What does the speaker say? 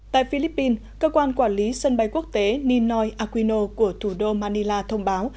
tại philippines cơ quan quản lý sân bay quốc tế ninoy aquino của thủ đô manila thông báo